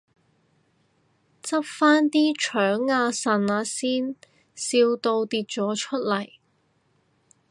執返啲腸啊腎啊先，笑到跌咗出嚟